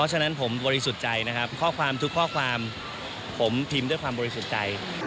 แต่งั้นอารมณ์ตอนนั้นหยกรู้สึกว่ามันแน่นนะคะ